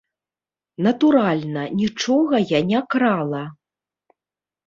Натуральна, нічога я не крала.